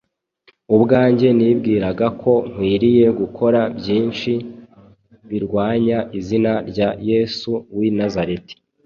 Ubwanjye nibwiraga ko nkwiriye gukora byinshi birwanya izina rya Yesu w’i Nazareti.